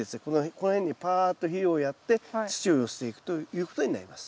この辺にパーっと肥料をやって土を寄せていくということになります。